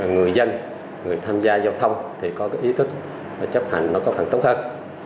người dân người tham gia giao thông thì có ý thức chấp hành nó có phần tốt hơn